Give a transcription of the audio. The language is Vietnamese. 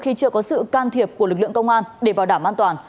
khi chưa có sự can thiệp của lực lượng công an để bảo đảm an toàn